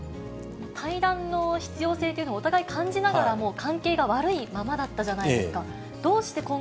会談の必要性というのをお互い感じながらも、関係が悪いままだったじゃないですか。